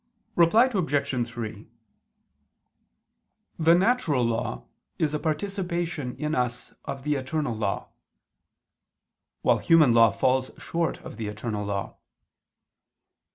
Reply Obj. 3: The natural law is a participation in us of the eternal law: while human law falls short of the eternal law.